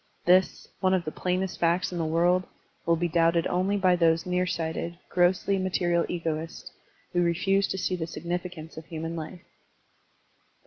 This, one of the plainest facts in the world, will be doubted only by those near sighted, grossly material egoists who refuse to see the significance of human life.